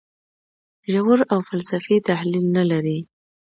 ژور او فلسفي تحلیل نه لري.